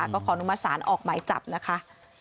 ก็คออนุมสารออกหมายจับนะคะ